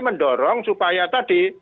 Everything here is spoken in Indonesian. mendorong supaya tadi